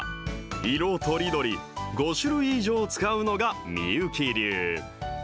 色とりどり、５種類以上使うのが美幸流。